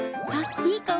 いい香り。